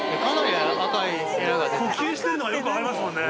呼吸してるのがよく分かりますもんね。